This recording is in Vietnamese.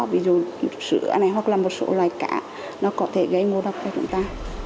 ví dụ sữa này hoặc là một số loài cá nó có thể gây ngộ độc cho chúng ta